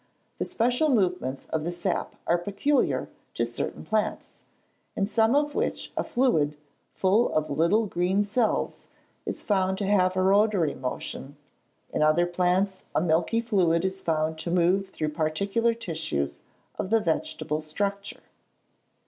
The special movements of the sap are peculiar to certain plants, in some of which a fluid, full of little green cells, is found to have a rotatory motion; in other plants, a milky fluid is found to move through particular tissues of the vegetable structure.